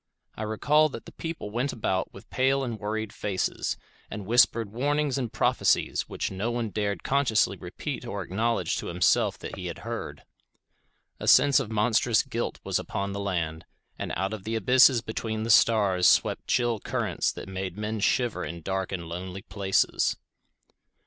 I recall that the people went about with pale and worried faces, and whispered warnings and prophecies which no one dared consciously repeat or acknowledge to himself that he had heard. A sense of monstrous guilt was upon the land, and out of the abysses between the stars swept chill currents that made men shiver in dark and lonely places.